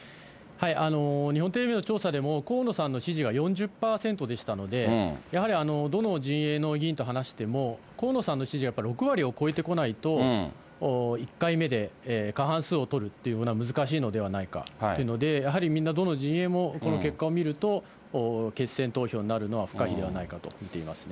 日本テレビの調査でも、河野さんの支持が４０％でしたので、やはりどの陣営の議員と話しても、河野さんの支持はやっぱり６割を超えてこないと、１回目で過半数を取るっていうのは難しいのではないかというので、やはりみんな、どの陣営もこの結果を見ると、決選投票になるのは不可避ではないかと見ていますね。